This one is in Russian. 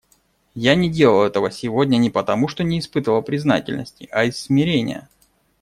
Я не делал этого сегодня не потому, что не испытывал признательности, а из смирения.